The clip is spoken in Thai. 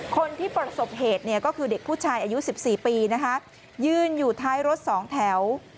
คนที่ประสบเหตุก็คือเด็กผู้ชายอายุ๑๔ปียื่นอยู่ท้ายรถ๒แถว